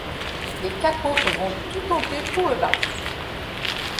Les quatre autres vont tout tenter pour le battre.